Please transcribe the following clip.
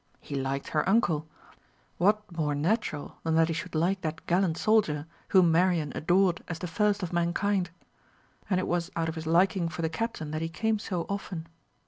He liked her uncle; what more natural than that he should like that gallant soldier, whom Marian adored as the first of mankind? And it was out of his liking for the Captain that he came so often.